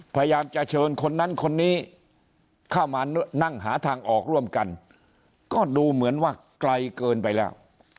พยายามจะเชิญคนนั้นคนนี้เข้ามานั่งหาทางออกร่วมกันก็ดูเหมือนว่าไกลเกินไปแล้ว